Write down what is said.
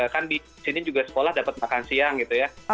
kan di sini juga sekolah dapat makan siang gitu ya